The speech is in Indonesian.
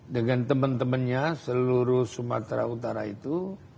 dengan teman temannya seluruh sumatera utara itu